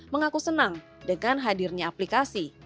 mengaku senang dengan hadirnya aplikasi